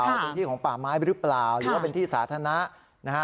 เป็นที่ของป่าไม้หรือเปล่าหรือว่าเป็นที่สาธารณะนะฮะ